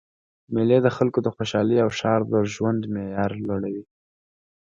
میلې د خلکو د خوشحالۍ او ښار د ژوند معیار لوړوي.